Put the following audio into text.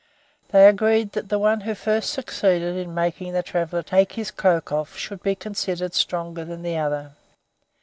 They agreed that the one who first succeeded in making the traveler take his cloak off should be considered stronger than the other.